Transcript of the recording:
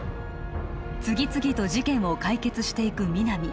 次々と事件を解決していく皆実